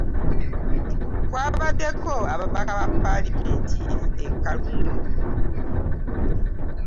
Kwabaddeko ababaka ba ppaalamenti e Kalungu.